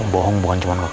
om bohong bukan cuma ke kamu